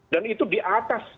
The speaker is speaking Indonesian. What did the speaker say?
dan itu di atas